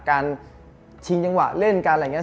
การชิงจังหวะเล่นอะไรอย่างเงี้ย